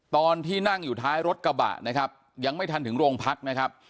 ตอนที่นั่งอยู่ท้ายรถกระบะนะครับยังไม่ทันถึงโรงพักนะครับ